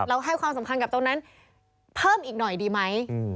ให้ความสำคัญกับตรงนั้นเพิ่มอีกหน่อยดีไหม